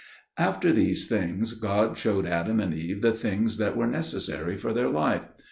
After these things God showed Adam and Eve the things that were necessary for their life.